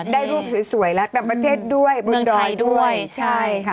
ได้รูปสวยละต่ำเมืองไทยด้วยค่ะ